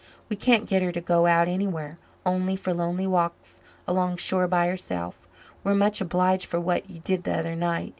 We can't get her to go out anywhere, only for lonely walks along shore by herself. We're much obliged for what you did the other night.